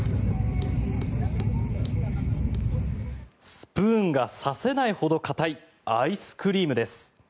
スプーンが刺せないほど硬いアイスクリームです。